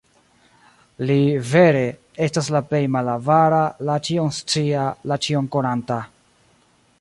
Li, vere, estas la Plej Malavara, la Ĉion-Scia, la Ĉion-Konanta.